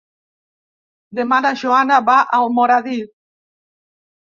Demà na Joana va a Almoradí.